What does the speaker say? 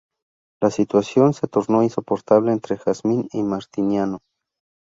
La situación se tornó insoportable entre Jazmín y Martiniano.